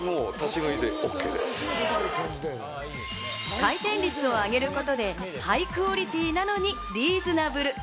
回転率を上げることでハイクオリティーなのにリーズナブル。